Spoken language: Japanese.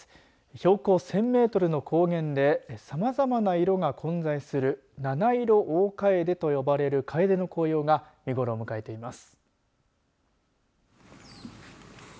標高１０００メートルの高原でさまざまな色が混在する七色大カエデと呼ばれるカエデの紅葉が見頃を迎えています。